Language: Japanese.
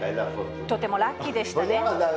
とてもラッキーでしたね。